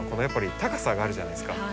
やっぱり高さがあるじゃないですか。